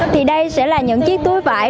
thì đây sẽ là những chiếc túi vải